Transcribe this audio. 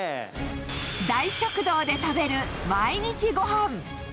大食堂で食べる毎日ごはん。